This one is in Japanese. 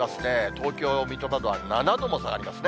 東京、水戸などは７度も下がりますね。